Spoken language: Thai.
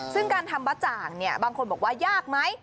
ซึ่งการทำบะจ่างเนี่ยบางคนบอกว่ายากไหม